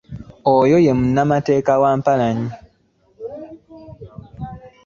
Oyo ye munnamateeka wa Mpalanyi.